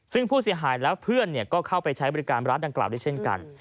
ซึ่งผู้เสียหายและเพื่อนก็เข้าไปใช้บริการร้านดังกล่าวด้วยเช่นกัน